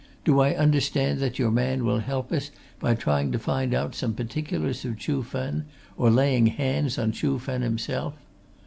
Do I understand that your man will help us by trying to find out some particulars of Chuh Fen, or laying hands on Chuh Fen himself?